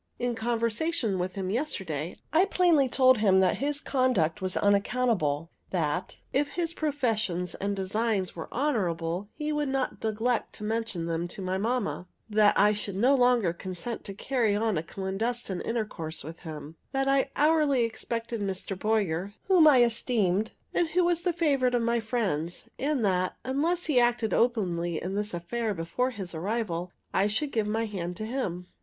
In conversation with him yesterday, I plainly told him that his conduct was unaccountable; that, if his professions and designs were honorable, he could not neglect to mention them to my mamma; that I should no longer consent to carry on a clandestine intercourse with him; that I hourly expected Mr. Boyer, whom I esteemed, and who was the favorite of my friends; and that, unless he acted openly in this affair before his arrival, I should give my hand to him.